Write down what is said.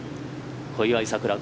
小祝さくら